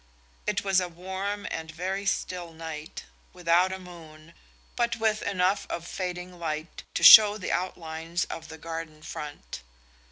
It was a warm and very still night, without a moon, but with enough of fading light to show the outlines of the garden front.